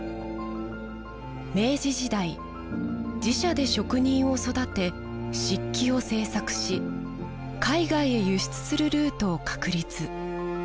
明治時代自社で職人を育て漆器を制作し海外へ輸出するルートを確立。